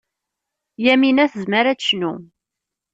Yamina tezmer ad tecnu.